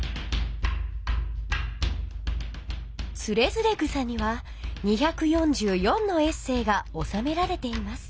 「徒然草」には２４４のエッセーがおさめられています。